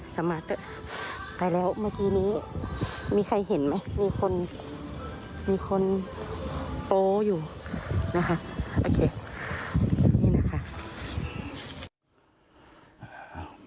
สมาเตอร์ไปแล้วเมื่อกี้นี้มีใครเห็นไหมมีคนโป้อยู่นะครับโอเคนี่นะครับ